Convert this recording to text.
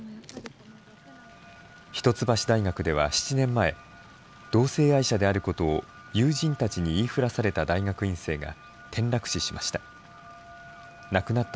一橋大学では７年前、同性愛者であることを友人たちに言いふらされた大学院生が転落死しました。